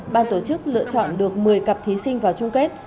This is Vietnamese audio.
ban tổ chức lựa chọn được một mươi cặp thí sinh vào chung kết